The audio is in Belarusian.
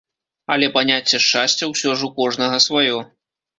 Але паняцце шчасця ўсё ж у кожнага сваё.